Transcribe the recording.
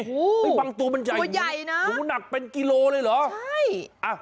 สักตัวใช่ใหญ่หนูหนักไปกิโลเลยหรอ